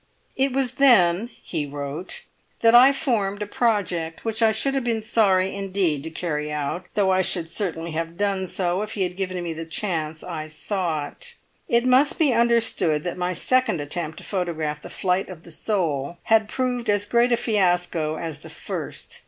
"It was then," he wrote, "that I formed a project which I should have been sorry indeed to carry out, though I should certainly have done so if he had given me the chance I sought. It must be understood that my second attempt to photograph the flight of the soul had proved as great a fiasco as the first.